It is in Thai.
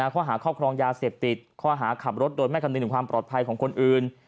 ข้อหาครอบครองยาเสพติดข้อหาขับรถโดยไม่คำนึงถึงความปลอดภัยของคนอื่น